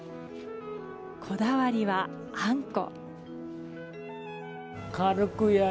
こだわりは、あんこ。